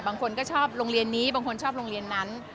บางคนก็ชอบโรงเรียนนี้บางคนชอบโรงเรียนนั้น